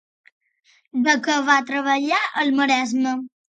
De què va treballar al Maresme?